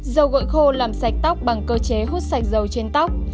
dầu gội khô làm sạch tóc bằng cơ chế hút sạch dầu trên tóc